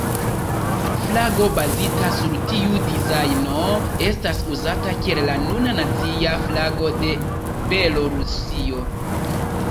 Flago bazita sur tiu dizajno estas uzata kiel la nuna nacia flago de Belorusio.